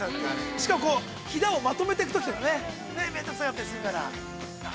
しかもひだをまとめていくときとかね、面倒くさかったりするから。